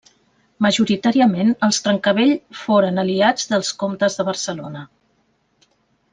Majoritàriament, els Trencavell foren aliats dels comtes de Barcelona.